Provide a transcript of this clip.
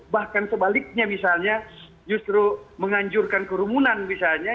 bahkan sebaliknya misalnya justru menganjurkan kerumunan misalnya